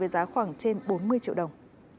với giá khoảng trên bốn mươi triệu đồng